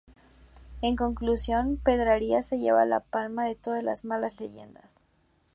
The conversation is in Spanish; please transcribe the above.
En conclusión, Pedrarias se lleva la palma de todas las malas leyendas.